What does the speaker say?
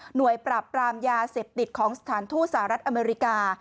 หน่วยปราบรามยาเสพติดของฐานทุสหรัฐอเมริกา